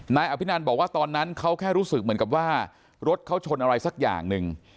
นายอภินันบอกว่าตอนนั้นเขาแค่รู้สึกเหมือนกับว่ารถเขาชนอะไรสักอย่างหนึ่ง